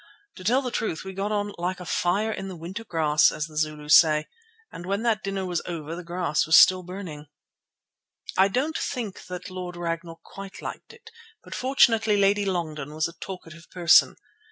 To tell the truth, we got on "like fire in the winter grass," as the Zulus say, and when that dinner was over the grass was still burning. I don't think that Lord Ragnall quite liked it, but fortunately Lady Longden was a talkative person.